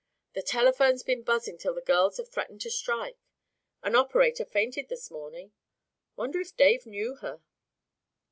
The telephone's been buzzin' till the girls have threatened to strike. An operator fainted this morning wonder if Dave knew her?"